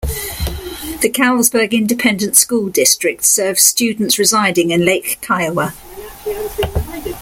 The Callisburg Independent School District serves students residing in Lake Kiowa.